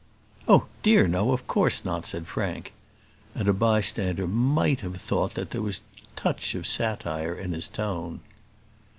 "Oh dear no; of course not," said Frank; and a bystander might have thought that there was a touch of satire in his tone.